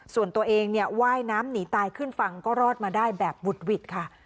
ส่วนตัวเองเนี่ยว่ายน้ำหนีตายขึ้นฝั่งก็รอดมาได้แบบบุดหวิดค่ะ